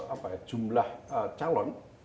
apa ya jumlah calon